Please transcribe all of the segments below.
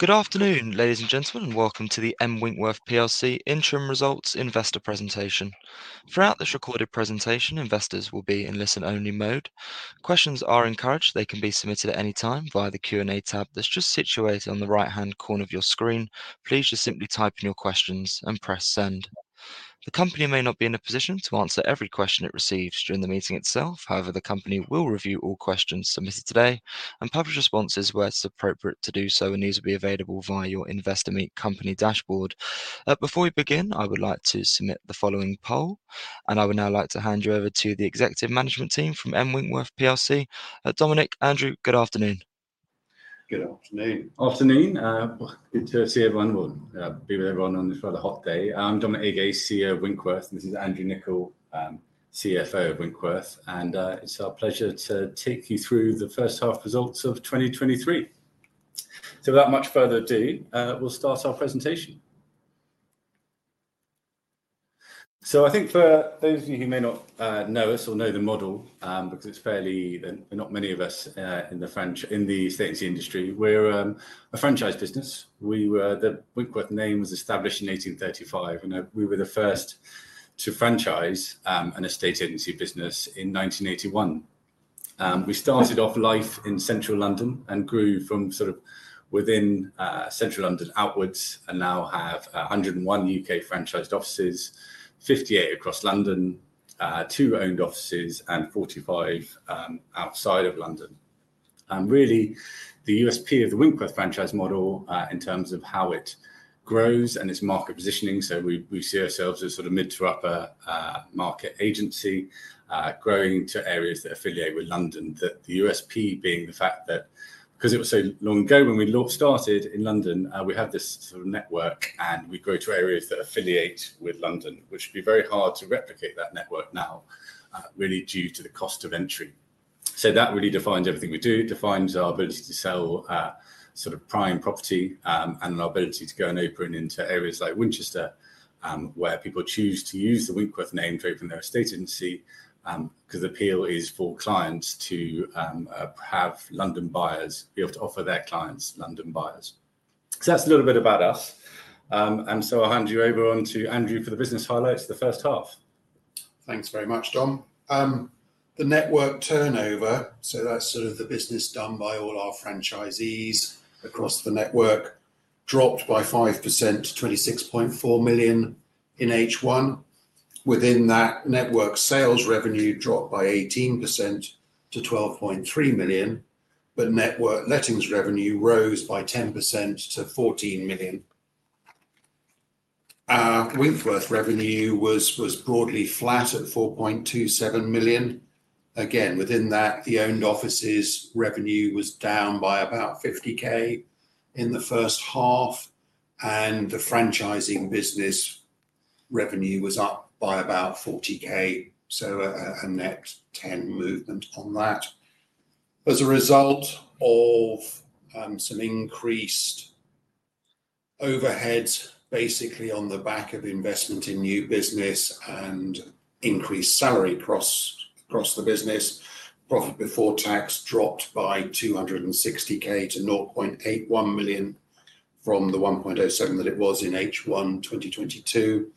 Good afternoon, ladies and gentlemen, and welcome to the M Winkworth PLC Interim Results Investor Presentation. Throughout this recorded presentation, investors will be in listen-only mode. Questions are encouraged. They can be submitted at any time via the Q&A tab that's just situated on the right-hand corner of your screen. Please just simply type in your questions and press Send. The company may not be in a position to answer every question it receives during the meeting itself. However, the company will review all questions submitted today and publish responses where it's appropriate to do so, and these will be available via your Investor Meet Company dashboard. Before we begin, I would like to submit the following poll, and I would now like to hand you over to the executive management team from M Winkworth PLC. Dominic, Andrew, good afternoon. Good afternoon. Afternoon. Good to see everyone, well, be with everyone on this rather hot day. I'm Dominic Agace, CEO of Winkworth, and this is Andrew Nicol, CFO of Winkworth, and it's our pleasure to take you through the first half results of 2023. So without much further ado, we'll start our presentation. So I think for those of you who may not know us or know the model, because it's fairly... There are not many of us in the franchise in the estate agency industry. We're a franchise business. The Winkworth name was established in 1835, and we were the first to franchise an estate agency business in 1981. We started off life in Central London and grew from sort of within, Central London outwards, and now have 101 UK franchised offices, 58 across London, two owned offices and 45, outside of London. And really, the USP of the Winkworth franchise model, in terms of how it grows and its market positioning, so we, we see ourselves as sort of mid to upper, market agency, growing to areas that affiliate with London. That, the USP being the fact that because it was so long ago when we first started in London, we had this sort of network, and we grow to areas that affiliate with London, which would be very hard to replicate that network now, really due to the cost of entry. So that really defines everything we do, defines our ability to sell sort of prime property, and our ability to go and open into areas like Winchester, where people choose to use the Winkworth name to open their estate agency, 'cause the appeal is for clients to have London buyers be able to offer their clients London buyers. So that's a little bit about us, and so I'll hand you over on to Andrew for the business highlights for the first half. Thanks very much, Dom. The network turnover, so that's sort of the business done by all our franchisees across the network, dropped by 5% to 26.4 million in H1. Within that network, sales revenue dropped by 18% to 12.3 million, but network lettings revenue rose by 10% to 14 million. Winkworth revenue was, was broadly flat at 4.27 million. Again, within that, the owned offices revenue was down by about 50,000 in the first half, and the franchising business revenue was up by about 40,000, so a net 10,000 movement on that. As a result of some increased overheads, basically on the back of investment in new business and increased salary across the business, profit before tax dropped by 260,000 to 0.81 million from the 1.07 million that it was in H1 2022.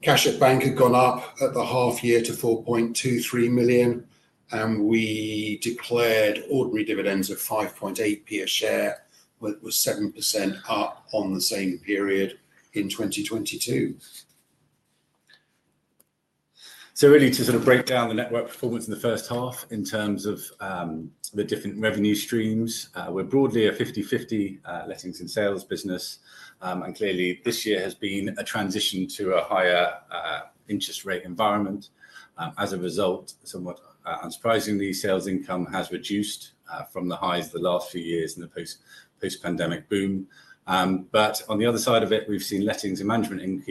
Cash at bank had gone up at the half year to 4.23 million, and we declared ordinary dividends of 5.8p per share, which was 7% up on the same period in 2022. So really to sort of break down the network performance in the first half in terms of, the different revenue streams, we're broadly a 50/50, lettings and sales business. And clearly, this year has been a transition to a higher, interest rate environment. As a result, somewhat, unsurprisingly, sales income has reduced, from the highs of the last few years in the post-post-pandemic boom. But on the other side of it, we've seen lettings and management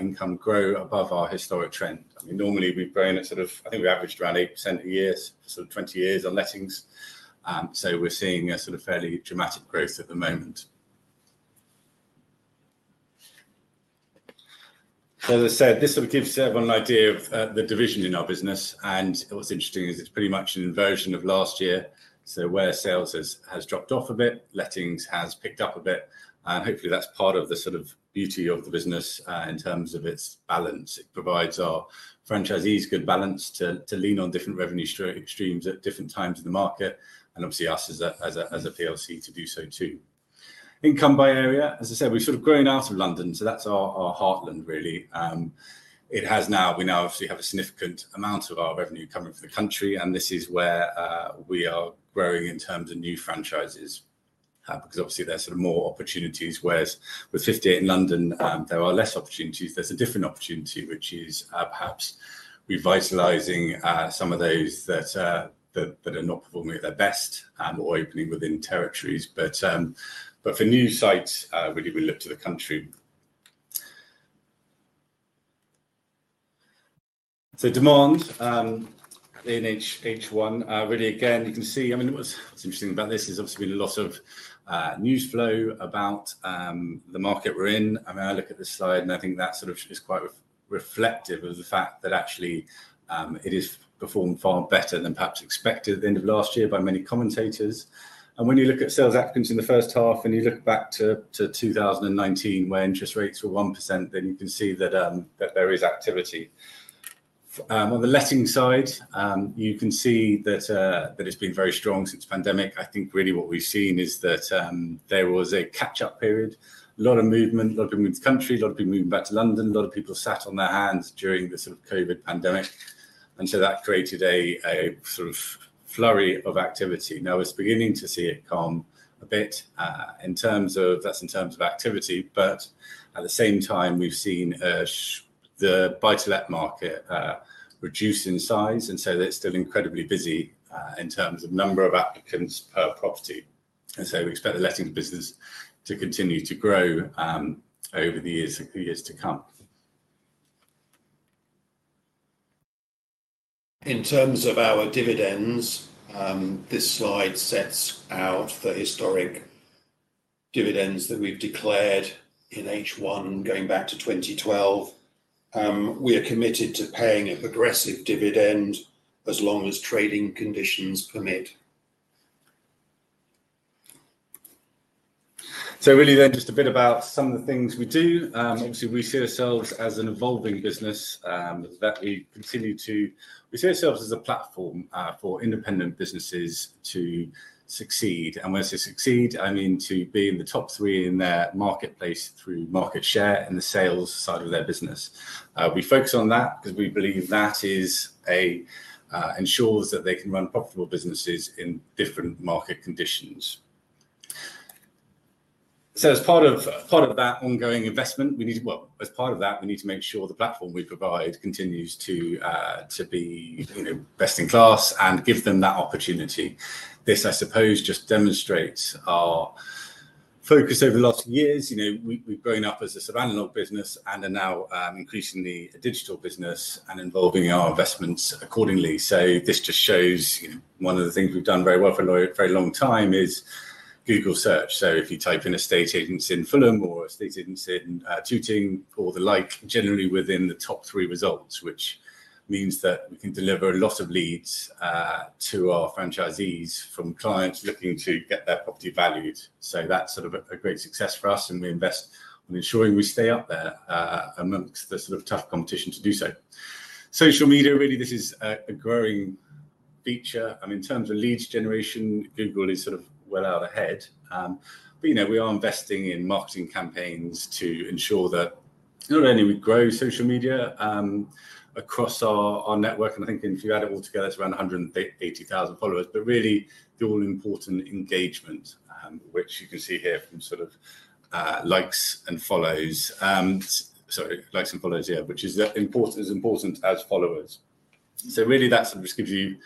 income grow above our historic trend. I mean, normally, we've grown at sort of... I think we averaged around 8% a year for sort of 20 years on lettings. So we're seeing a sort of fairly dramatic growth at the moment. So as I said, this sort of gives everyone an idea of, the division in our business, and what's interesting is it's pretty much an inversion of last year. So where sales has dropped off a bit, lettings has picked up a bit, and hopefully, that's part of the sort of beauty of the business, in terms of its balance. It provides our franchisees good balance to lean on different revenue streams at different times in the market, and obviously us as a PLC to do so too. Income by area, as I said, we've sort of grown out of London, so that's our heartland really. We now obviously have a significant amount of our revenue coming from the country, and this is where we are growing in terms of new franchises, because obviously there are sort of more opportunities, whereas with 58 in London, there are less opportunities. There's a different opportunity, which is perhaps revitalizing some of those that are not performing at their best, or opening within territories. But for new sites, really we look to the country. So demand in H1, really again, you can see, I mean, what's interesting about this is obviously been a lot of news flow about the market we're in. I mean, I look at this slide, and I think that sort of is quite reflective of the fact that actually, it has performed far better than perhaps expected at the end of last year by many commentators. And when you look at sales applicants in the first half, and you look back to 2019, where interest rates were 1%, then you can see that that there is activity. On the letting side, you can see that that it's been very strong since the pandemic. I think really what we've seen is that there was a catch-up period, a lot of movement, a lot of people moved country, a lot of people moving back to London. A lot of people sat on their hands during the sort of COVID pandemic, and so that created a sort of flurry of activity. Now, it's beginning to see it calm a bit in terms of activity, but at the same time, we've seen the buy-to-let market reduce in size, and so they're still incredibly busy in terms of number of applicants per property. And so we expect the letting business to continue to grow over the years to come. In terms of our dividends, this slide sets out the historic dividends that we've declared in H1, going back to 2012. We are committed to paying a progressive dividend as long as trading conditions permit. Really then, just a bit about some of the things we do. Obviously, we see ourselves as an evolving business. We see ourselves as a platform for independent businesses to succeed, and when I say succeed, I mean to be in the top three in their marketplace through market share and the sales side of their business. We focus on that because we believe that ensures that they can run profitable businesses in different market conditions. So as part of that ongoing investment, we need to make sure the platform we provide continues to be, you know, best in class and give them that opportunity. This, I suppose, just demonstrates our focus over the last few years. You know, we've grown up as a sort of analog business and are now increasingly a digital business and involving our investments accordingly. So this just shows, you know, one of the things we've done very well for a very long time is Google search. So if you type in estate agents in Fulham or estate agents in Tooting or the like, generally within the top three results, which means that we can deliver a lot of leads to our franchisees from clients looking to get their property valued. So that's sort of a great success for us, and we invest on ensuring we stay up there amongst the sort of tough competition to do so. Social media, really, this is a growing feature. I mean, in terms of leads generation, Google is sort of well out ahead. You know, we are investing in marketing campaigns to ensure that not only we grow social media across our network, and I think if you add it all together, it's around 180,000 followers, but really the all-important engagement, which you can see here from sort of likes and follows. Sorry, likes and follows, yeah, which is as important as followers. Really, that just gives you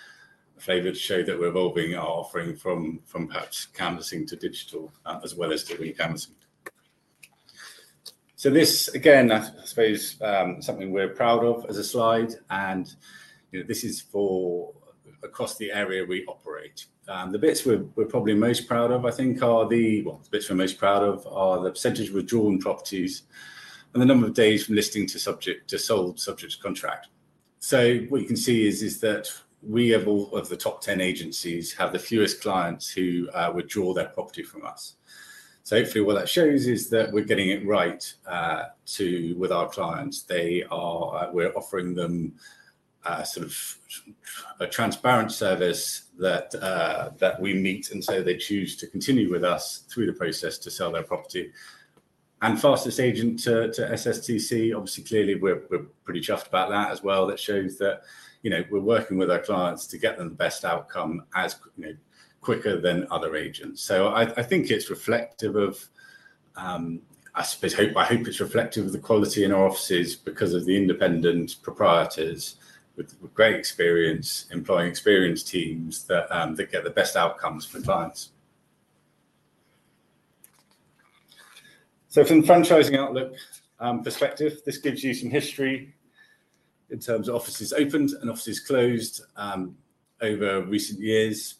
a flavor to show that we're evolving our offering from perhaps canvassing to digital, as well as doing canvassing. This, again, I suppose, is something we're proud of as a slide, and you know, this is for across the area we operate. The bits we're probably most proud of, I think, are the... Well, the bits we're most proud of are the percentage of withdrawn properties and the number of days from listing to subject to sold, subject to contract. So what you can see is, is that we, of all of the top 10 agencies, have the fewest clients who withdraw their property from us. So hopefully, what that shows is that we're getting it right with our clients. They are, we're offering them a sort of a transparent service that that we meet, and so they choose to continue with us through the process to sell their property. And fastest agent to SSTC, obviously, clearly, we're, we're pretty chuffed about that as well. That shows that, you know, we're working with our clients to get them the best outcome as, you know, quicker than other agents. So I think it's reflective of, I suppose, I hope it's reflective of the quality in our offices because of the independent proprietors with great experience, employing experienced teams that get the best outcomes for clients. So from the franchising outlook, perspective, this gives you some history in terms of offices opened and offices closed, over recent years.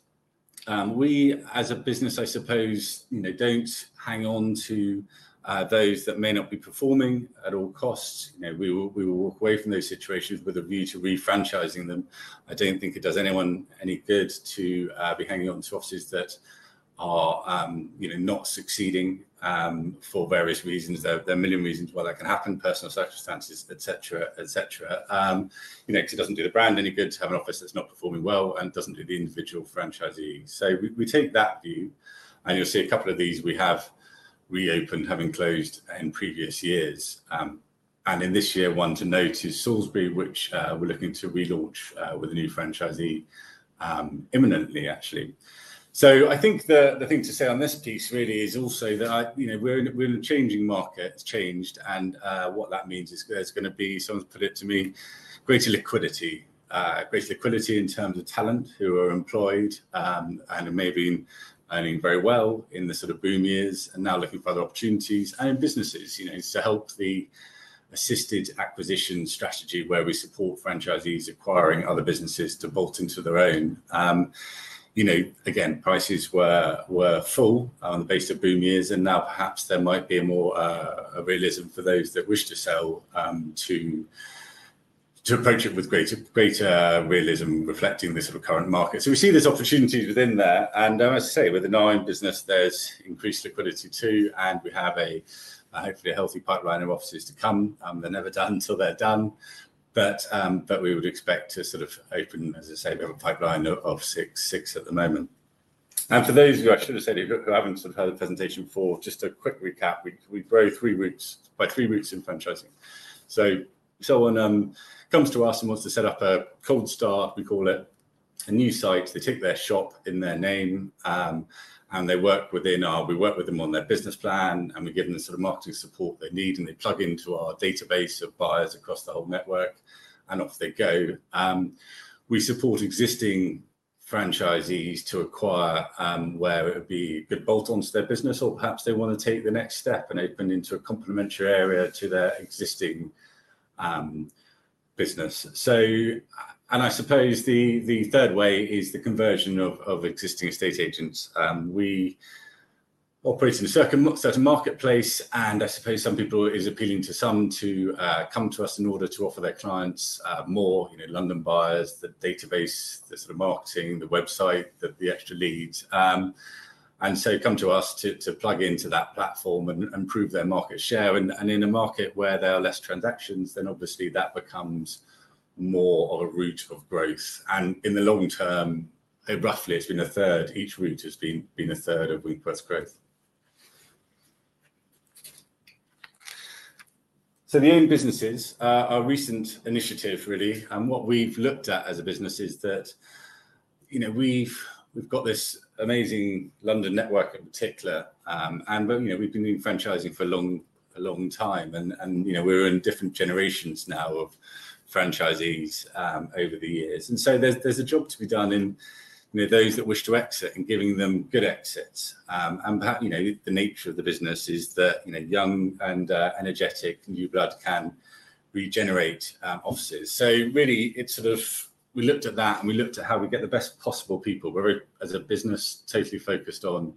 We, as a business, I suppose, you know, don't hang on to those that may not be performing at all costs. You know, we will walk away from those situations with a view to re-franchising them. I don't think it does anyone any good to be hanging on to offices that are, you know, not succeeding, for various reasons. There are a million reasons why that can happen, personal circumstances, et cetera, et cetera. You know, because it doesn't do the brand any good to have an office that's not performing well and doesn't do the individual franchisee. So we, we take that view, and you'll see a couple of these we have reopened, having closed in previous years. And in this year, one to note is Salisbury, which, we're looking to relaunch, with a new franchisee, imminently, actually. So I think the, the thing to say on this piece really is also that I, you know, we're in a, we're in a changing market. It's changed, and, what that means is there's gonna be, someone put it to me, greater liquidity. Greater liquidity in terms of talent, who are employed, and may have been earning very well in the sort of boom years and now looking for other opportunities and in businesses. You know, it's to help assisted acquisition strategy, where we support franchisees acquiring other businesses to bolt into their own. You know, again, prices were full on the basis of boom years, and now perhaps there might be a more, a realism for those that wish to sell, to approach it with greater, greater realism, reflecting the sort of current market. So we see there's opportunities within there, and I must say, with the franchise business, there's increased liquidity too, and we have a, hopefully, a healthy pipeline of offices to come. They're never done until they're done, but, but we would expect to sort of open, as I say, we have a pipeline of, 6, 6 at the moment. For those of you who haven't sort of had a presentation before, just a quick recap, we grow three routes, by three routes in franchising. Someone comes to us and wants to set up a cold start, we call it, a new site. They take their shop in their name, and they work within our—we work with them on their business plan, and we give them the sort of marketing support they need, and they plug into our database of buyers across the whole network, and off they go. We support existing franchisees to acquire, where it would be good bolt onto their business, or perhaps they want to take the next step and open into a complementary area to their existing business. So, and I suppose the third way is the conversion of existing estate agents. We operate in a certain marketplace, and I suppose some people, it is appealing to some to come to us in order to offer their clients more, you know, London buyers, the database, the sort of marketing, the website, the extra leads. And so come to us to plug into that platform and prove their market share. And in a market where there are less transactions, then obviously that becomes more of a route of growth. And in the long term, roughly, it's been a third, each route has been a third of Winkworth growth. The own businesses are a recent initiative, really, and what we've looked at as a business is that, you know, we've got this amazing London network in particular, you know, we've been doing franchising for a long, a long time and, you know, we're in different generations now of franchisees over the years. There's a job to be done in, you know, those that wish to exit and giving them good exits. Perhaps, you know, the nature of the business is that, you know, young and energetic new blood can regenerate offices. Really, it sort of, we looked at that, and we looked at how we get the best possible people. We're, as a business, totally focused on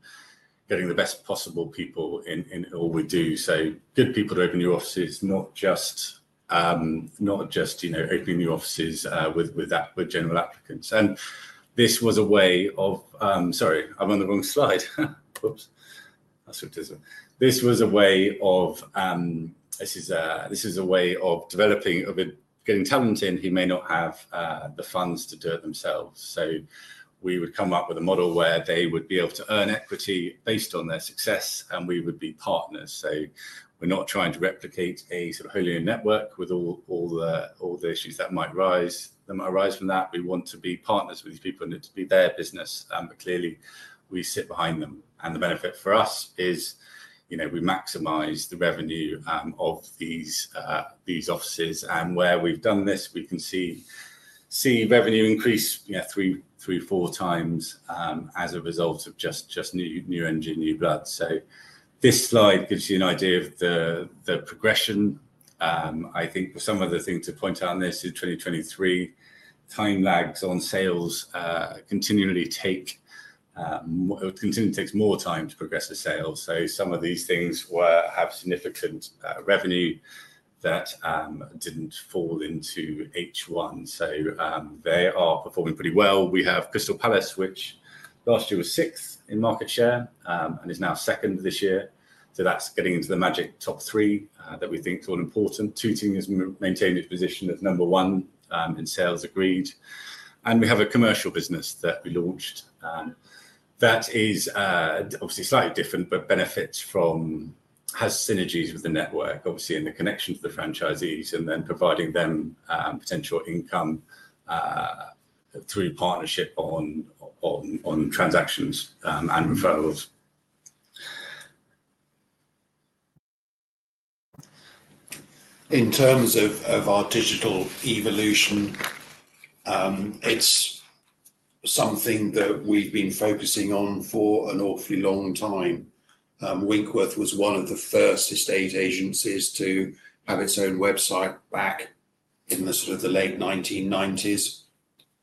getting the best possible people in, in all we do. So good people to open new offices, not just, not just, you know, opening new offices, with, with that, with general applicants. And this was a way of... Sorry, I'm on the wrong slide. Oops! That's what it is. This was a way of, this is a, this is a way of developing, of getting talent in, who may not have, the funds to do it themselves. So we would come up with a model where they would be able to earn equity based on their success, and we would be partners. So we're not trying to replicate a sort of wholly owned network with all, all the, all the issues that might rise, that might rise from that. We want to be partners with these people and it to be their business, but clearly, we sit behind them. The benefit for us is, you know, we maximize the revenue of these offices, and where we've done this, we can see revenue increase 3-4 times as a result of just new engine, new blood. So this slide gives you an idea of the progression. I think some of the things to point out in this is 2023 time lags on sales continually takes more time to progress the sales. So some of these things have significant revenue that didn't fall into H1. So they are performing pretty well. We have Crystal Palace, which last year was sixth in market share, and is now second this year. So that's getting into the magic top 3 that we think is all important. Tooting has maintained its position at number one in sales agreed. And we have a commercial business that we launched that is obviously slightly different, but benefits from, has synergies with the network, obviously, and the connection to the franchisees, and then providing them potential income through partnership on transactions and referrals. In terms of, of our digital evolution, it's something that we've been focusing on for an awfully long time. Winkworth was one of the first estate agencies to have its own website back in the sort of the late 1990s.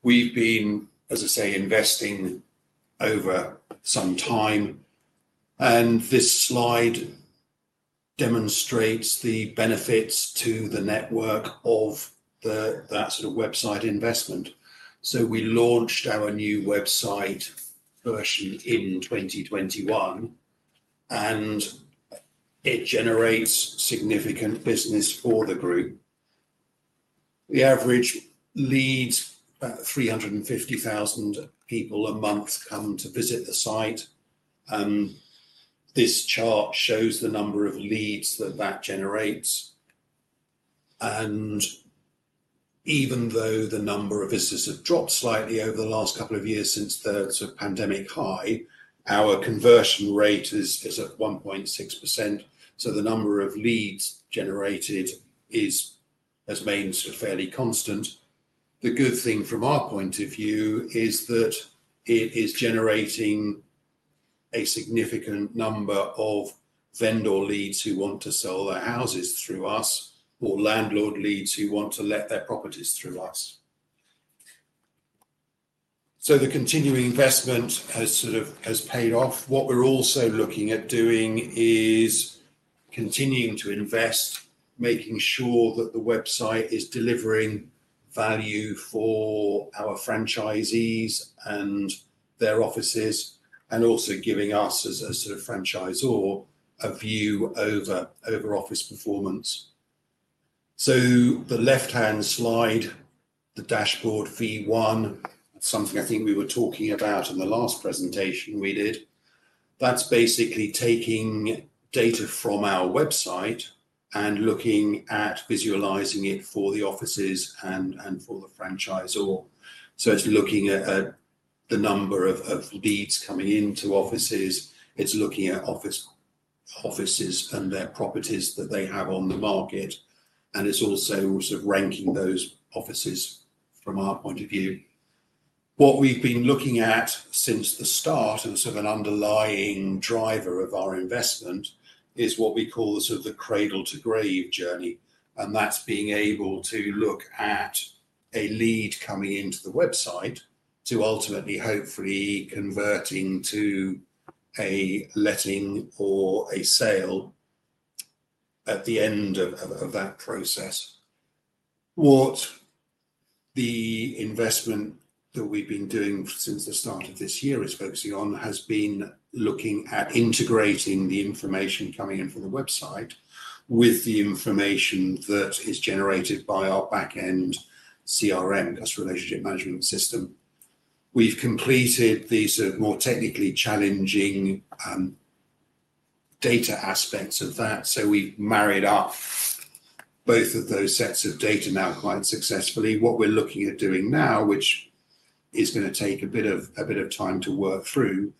We've been, as I say, investing over some time, and this slide demonstrates the benefits to the network of the, that sort of website investment. So we launched our new website version in 2021, and it generates significant business for the group. The average leads about 350,000 people a month come to visit the site. This chart shows the number of leads that that generates, and even though the number of visitors have dropped slightly over the last couple of years since the sort of pandemic high, our conversion rate is at 1.6%, so the number of leads generated has remained fairly constant. The good thing from our point of view is that it is generating a significant number of vendor leads who want to sell their houses through us, or landlord leads who want to let their properties through us. So the continuing investment has sort of paid off. What we're also looking at doing is continuing to invest, making sure that the website is delivering value for our franchisees and their offices, and also giving us, as a sort of franchisor, a view over office performance. So the left-hand slide, the Dashboard v1, something I think we were talking about in the last presentation we did, that's basically taking data from our website and looking at visualizing it for the offices and for the franchisor. So it's looking at the number of leads coming into offices, it's looking at offices and their properties that they have on the market, and it's also sort of ranking those offices from our point of view. What we've been looking at since the start, and sort of an underlying driver of our investment, is what we call the cradle-to-grave journey, and that's being able to look at a lead coming into the website to ultimately, hopefully, convert into a letting or a sale at the end of that process. What the investment that we've been doing since the start of this year is focusing on, has been looking at integrating the information coming in from the website with the information that is generated by our back-end CRM, our customer relationship management system. We've completed the sort of more technically challenging, data aspects of that, so we've married up both of those sets of data now quite successfully. What we're looking at doing now, which is gonna take a bit of, a bit of time to work through,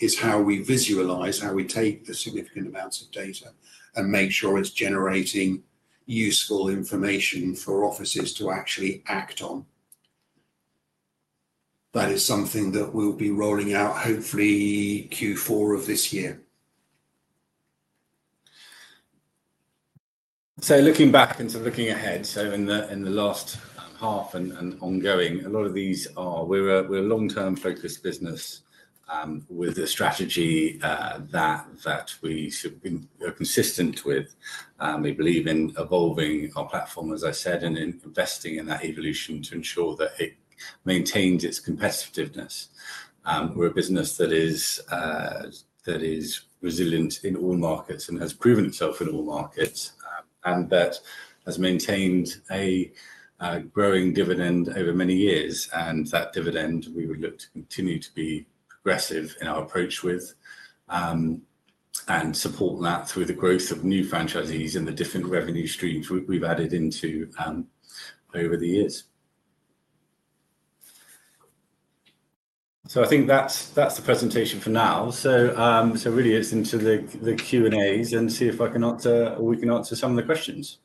is how we visualise, how we take the significant amounts of data and make sure it's generating useful information for offices to actually act on. That is something that we'll be rolling out, hopefully, Q4 of this year. So looking back and sort of looking ahead, so in the last half and ongoing, a lot of these are... We're a long-term focused business with a strategy that we've sort of been consistent with. We believe in evolving our platform, as I said, and in investing in that evolution to ensure that it maintains its competitiveness. We're a business that is resilient in all markets and has proven itself in all markets, and that has maintained a growing dividend over many years. And that dividend, we would look to continue to be progressive in our approach with, and support that through the growth of new franchisees in the different revenue streams we've added into over the years. So I think that's the presentation for now. So, really it's into the Q&As and see if I can answer, or we can answer some of the questions.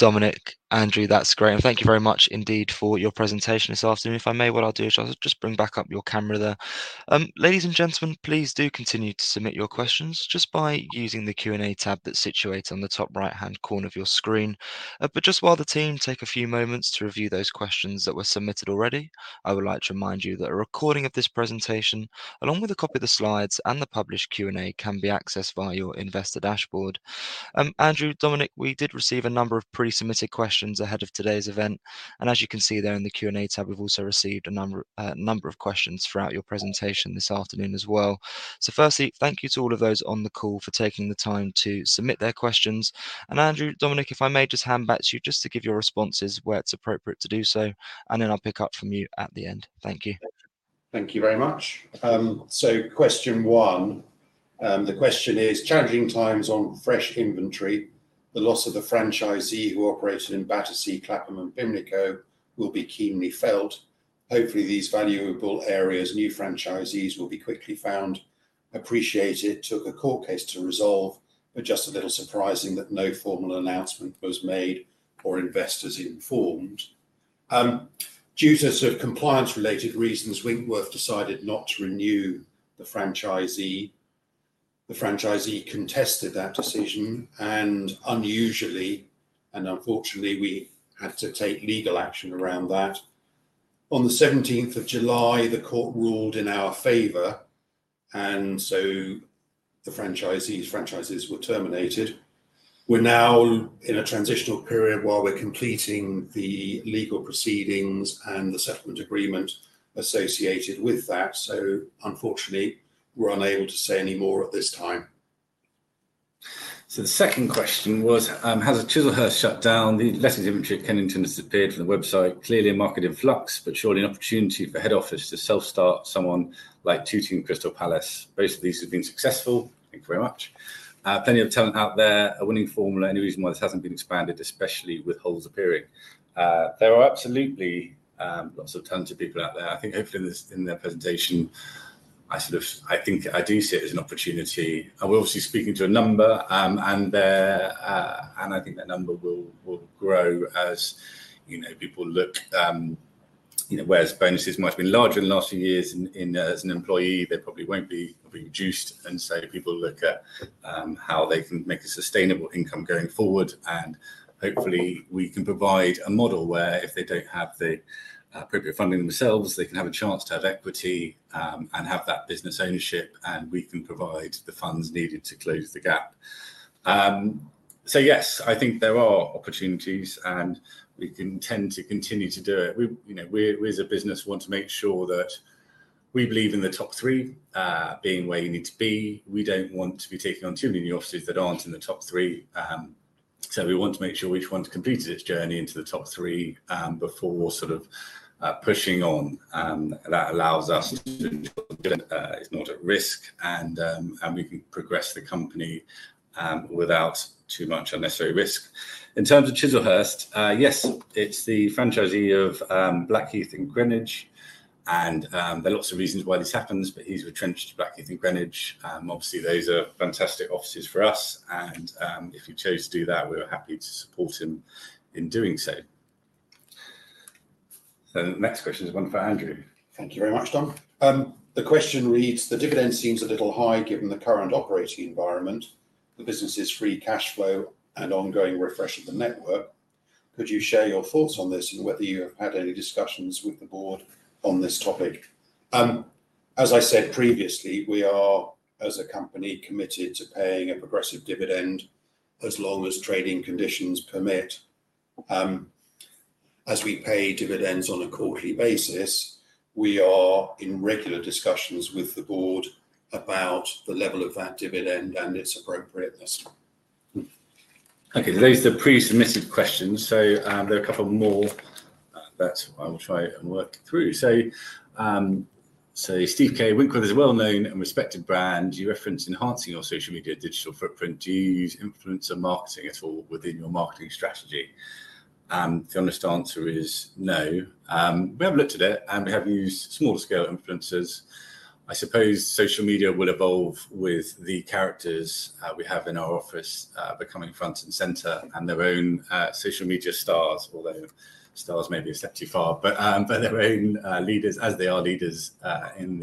Dominic, Andrew, that's great, and thank you very much indeed for your presentation this afternoon. If I may, what I'll do is I'll just bring back up your camera there. Ladies and gentlemen, please do continue to submit your questions just by using the Q&A tab that's situated on the top right-hand corner of your screen. But just while the team take a few moments to review those questions that were submitted already, I would like to remind you that a recording of this presentation, along with a copy of the slides and the published Q&A, can be accessed via your investor dashboard. Andrew, Dominic, we did receive a number of pre-submitted questions ahead of today's event, and as you can see there in the Q&A tab, we've also received a number of questions throughout your presentation this afternoon as well. Firstly, thank you to all of those on the call for taking the time to submit their questions. Andrew, Dominic, if I may just hand back to you just to give your responses where it's appropriate to do so, and then I'll pick up from you at the end. Thank you. Thank you very much. So question one, the question is: Challenging times on fresh inventory. The loss of the franchisee who operated in Battersea, Clapham, and Pimlico will be keenly felt. Hopefully, these valuable areas, new franchisees will be quickly found. Appreciated it took a court case to resolve, but just a little surprising that no formal announcement was made or investors informed. Due to sort of compliance-related reasons, Winkworth decided not to renew the franchisee. The franchisee contested that decision, and unusually, and unfortunately, we had to take legal action around that. On the seventeenth of July, the court ruled in our favor, and so the franchisee's franchises were terminated. We're now in a transitional period while we're completing the legal proceedings and the settlement agreement associated with that. So unfortunately, we're unable to say any more at this time. So the second question was, has the Chislehurst shut down? The lettings inventory at Kennington has disappeared from the website. Clearly a market in flux, but surely an opportunity for head office to self-start someone like Tooting and Crystal Palace. Both of these have been successful. Thank you very much. Plenty of talent out there, a winning formula. Any reason why this hasn't been expanded, especially with holes appearing? There are absolutely lots of talented people out there. I think hopefully in this, in the presentation, I sort of, I think I do see it as an opportunity, and we're obviously speaking to a number, and there, and I think that number will, will grow as, you know, people look, at-... You know, whereas bonuses might have been larger in the last few years as an employee, they probably won't be reduced. And so people look at how they can make a sustainable income going forward, and hopefully we can provide a model where if they don't have the appropriate funding themselves, they can have a chance to have equity and have that business ownership, and we can provide the funds needed to close the gap. So yes, I think there are opportunities, and we intend to continue to do it. We, you know, as a business want to make sure that we believe in the top three being where you need to be. We don't want to be taking on too many offices that aren't in the top three. We want to make sure each one's completed its journey into the top three, before sort of pushing on. That allows us to, it's not at risk and we can progress the company without too much unnecessary risk. In terms of Chislehurst, yes, it's the franchisee of Blackheath and Greenwich, and there are lots of reasons why this happens, but he's retrenched to Blackheath and Greenwich. Obviously, those are fantastic offices for us, and if he chose to do that, we were happy to support him in doing so. The next question is one for Andrew. Thank you very much, Tom. The question reads: The dividend seems a little high given the current operating environment, the business' free cash flow, and ongoing refresh of the network. Could you share your thoughts on this and whether you have had any discussions with the board on this topic? As I said previously, we are, as a company, committed to paying a progressive dividend as long as trading conditions permit. As we pay dividends on a quarterly basis, we are in regular discussions with the board about the level of that dividend and its appropriateness. Okay, so those are the pre-submitted questions. So, there are a couple more that I will try and work through. So, Steve K., Winkworth is a well-known and respected brand. You reference enhancing your social media digital footprint. Do you use influencer marketing at all within your marketing strategy? The honest answer is no. We have looked at it, and we have used smaller scale influencers. I suppose social media will evolve with the characters we have in our office becoming front and center and their own social media stars, although stars may be a step too far, but their own leaders, as they are leaders in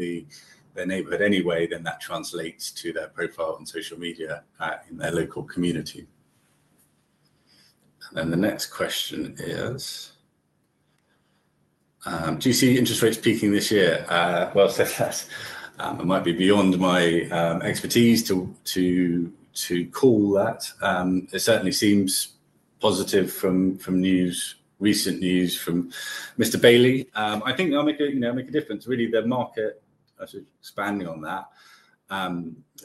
their neighborhood anyway, then that translates to their profile on social media in their local community. The next question is, do you see interest rates peaking this year? Well, so that it might be beyond my expertise to call that. It certainly seems positive from recent news from Mr. Bailey. I think they'll make a, you know, make a difference. Really, the market, actually expanding on that,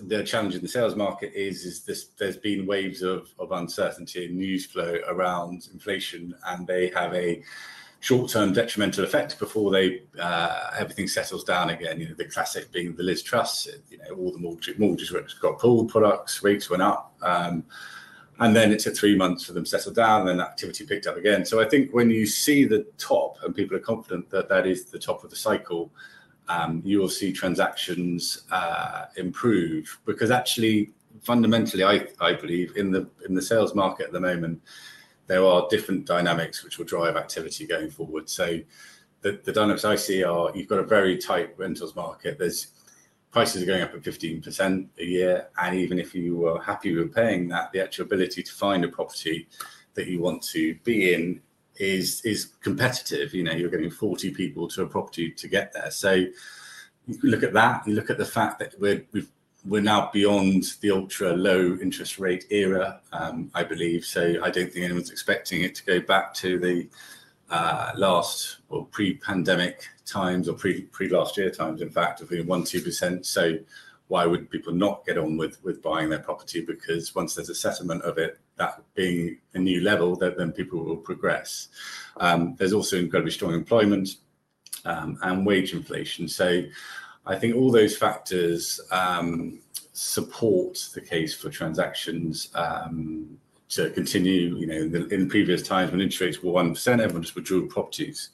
the challenge in the sales market is that there's been waves of uncertainty and news flow around inflation, and they have a short-term detrimental effect before everything settles down again. You know, the classic being the Liz Truss, you know, all the mortgages got pulled, products, rates went up, and then it took three months for them to settle down, and activity picked up again. So I think when you see the top and people are confident that that is the top of the cycle, you will see transactions improve. Because actually, fundamentally, I believe in the sales market at the moment, there are different dynamics which will drive activity going forward. So the dynamics I see are you've got a very tight rentals market. There's prices are going up at 15% a year, and even if you were happy with paying that, the actual ability to find a property that you want to be in is competitive. You know, you're getting 40 people to a property to get there. So you look at that, you look at the fact that we're now beyond the ultra-low interest rate era, I believe. So I don't think anyone's expecting it to go back to the last or pre-pandemic times, or pre, pre-last year times, in fact, of the 1%-2%. So why would people not get on with, with buying their property? Because once there's a settlement of it, that being a new level, then, then people will progress. There's also incredibly strong employment and wage inflation. So I think all those factors support the case for transactions to continue. You know, in the, in the previous times when interest rates were 1%, everyone just withdrew properties.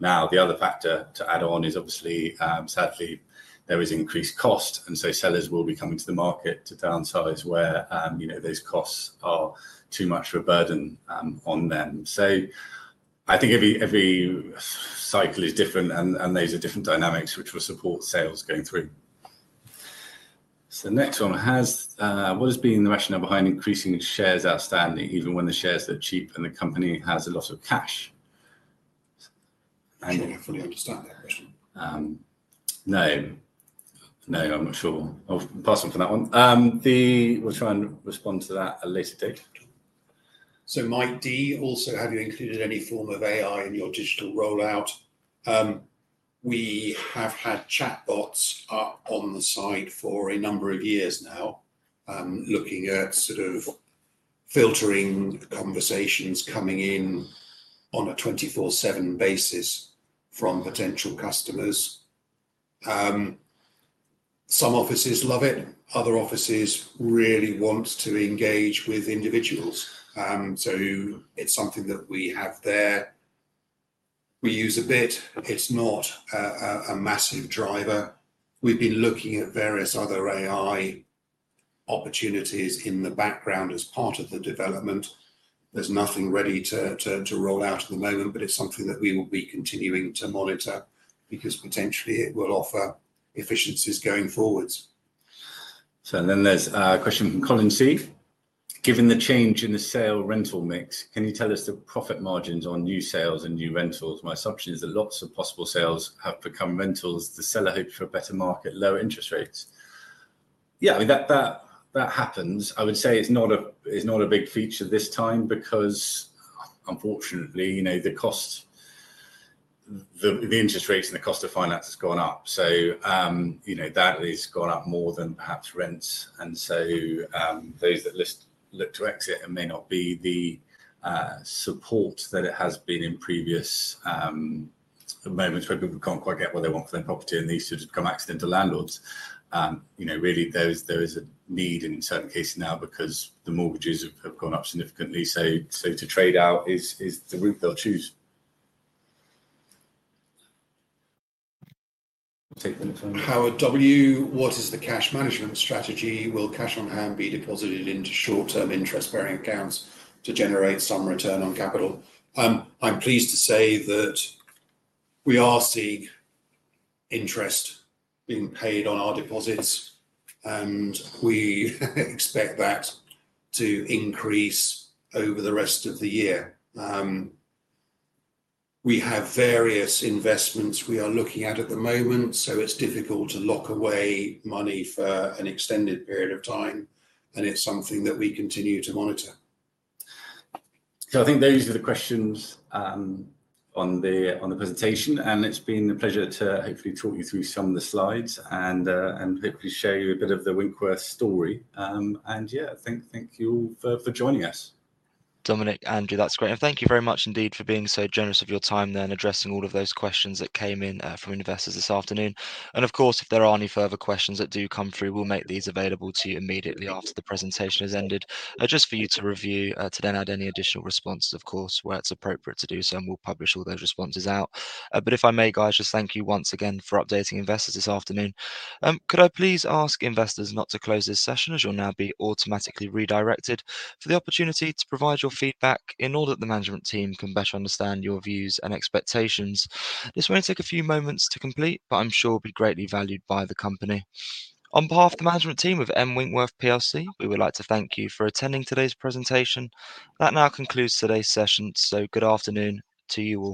Now, the other factor to add on is obviously, sadly, there is increased cost, and so sellers will be coming to the market to downsize where, you know, those costs are too much of a burden on them. So I think every cycle is different, and those are different dynamics which will support sales going through. So the next one, "Has what has been the rationale behind increasing shares outstanding, even when the shares are cheap and the company has a lot of cash? I'm not sure I fully understand that question. No. No, I'm not sure. I'll pass on to that one. We'll try and respond to that at a later date. So Mike D, "Also, have you included any form of AI in your digital rollout?" We have had chatbots up on the site for a number of years now, looking at sort of filtering conversations coming in on a 24/7 basis from potential customers. Some offices love it, other offices really want to engage with individuals. So it's something that we have there. We use a bit. It's not a massive driver. We've been looking at various other AI opportunities in the background as part of the development. There's nothing ready to roll out at the moment, but it's something that we will be continuing to monitor because potentially it will offer efficiencies going forwards. So then there's a question from Colin C: "Given the change in the sale rental mix, can you tell us the profit margins on new sales and new rentals? My assumption is that lots of possible sales have become rentals. The seller hoped for a better market, lower interest rates." Yeah, I mean, that happens. I would say it's not a big feature this time because, unfortunately, you know, the interest rates and the cost of finance has gone up. So, you know, that has gone up more than perhaps rents. And so, those that look to exit, it may not be the support that it has been in previous moments where people can't quite get what they want for their property, and these sort of become accidental landlords. You know, really there is a need in certain cases now because the mortgages have gone up significantly, so to trade out is the route they'll choose. Take them, Tony. What is the cash management strategy? Will cash on hand be deposited into short-term interest-bearing accounts to generate some return on capital?" I'm pleased to say that we are seeing interest being paid on our deposits, and we expect that to increase over the rest of the year. We have various investments we are looking at at the moment, so it's difficult to lock away money for an extended period of time, and it's something that we continue to monitor. So I think those are the questions on the presentation, and it's been a pleasure to hopefully talk you through some of the slides and hopefully show you a bit of the Winkworth story. And yeah, thank you all for joining us. Dominic, Andrew, that's great. And thank you very much indeed for being so generous with your time, then addressing all of those questions that came in from investors this afternoon. And of course, if there are any further questions that do come through, we'll make these available to you immediately after the presentation has ended, just for you to review, to then add any additional responses, of course, where it's appropriate to do so, and we'll publish all those responses out. But if I may, guys, just thank you once again for updating investors this afternoon. Could I please ask investors not to close this session as you'll now be automatically redirected for the opportunity to provide your feedback in order that the management team can better understand your views and expectations. This may only take a few moments to complete, but I'm sure will be greatly valued by the company. On behalf of the management team of M Winkworth PLC, we would like to thank you for attending today's presentation. That now concludes today's session, so good afternoon to you all.